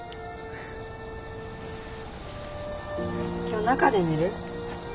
今日中で寝る？